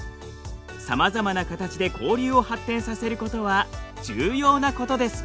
さまざまな形で交流を発展させることは重要なことです。